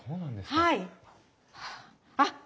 はい。